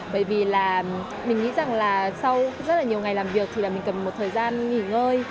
bởi vì là mình nghĩ rằng là sau rất là nhiều ngày làm việc thì là mình cần một thời gian nghỉ ngơi